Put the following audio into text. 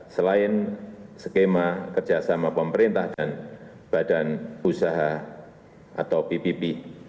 selain skema kerjasama pemerintah dan badan usaha atau ppp